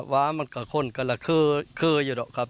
ว่ามันก่อคนก็คล้ออยู่แล้วครับ